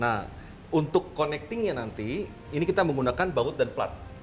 nah untuk connectingnya nanti ini kita menggunakan baut dan plat